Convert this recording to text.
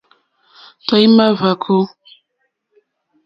Tɔ̀ímá hvàkó.